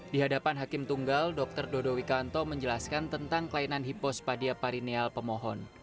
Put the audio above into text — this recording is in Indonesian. di hadapan hakim tunggal dr dodo wikanto menjelaskan tentang kelainan hipospadia parineal pemohon